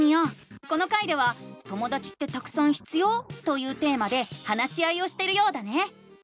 この回では「ともだちってたくさん必要？」というテーマで話し合いをしてるようだね！